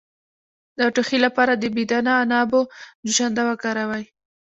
د ټوخي لپاره د بې دانه عنابو جوشانده وکاروئ